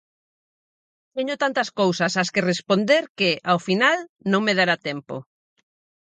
Teño tantas cousas ás que responder que, ao final, non me dará tempo.